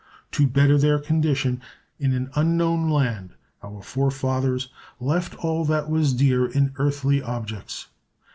To better their condition in an unknown land our forefathers left all that was dear in earthly objects.